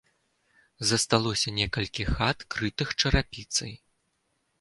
Засталося некалькі хат, крытых чарапіцай.